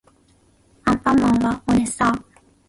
アンパンマンはおれっさー